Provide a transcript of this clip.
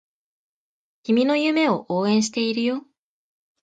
君の夢を応援しているよ